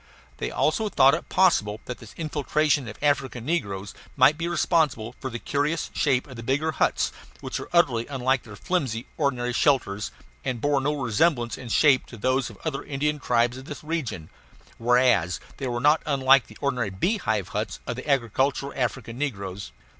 They also thought it possible that this infiltration of African negroes might be responsible for the curious shape of the bigger huts, which were utterly unlike their flimsy, ordinary shelters, and bore no resemblance in shape to those of the other Indian tribes of this region; whereas they were not unlike the ordinary beehive huts of the agricultural African negroes.